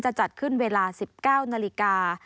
จัดขึ้นเวลา๑๙นาฬิกา